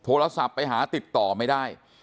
โทรศัพท์ไปหาติดต่อไม่ได้